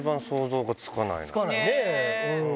つかないね。